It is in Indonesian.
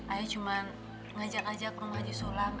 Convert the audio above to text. ayah cuma ngajak aja ke rumah haji sulam